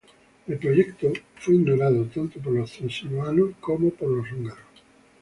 El proyecto fue ignorado tanto por los transilvanos como por los húngaros.